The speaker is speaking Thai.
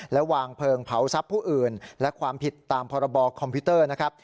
และวางเพลิงเผาทรัพย์ผู้อื่นและความผิดตามพรบคอมพิวเตอร์นะครับ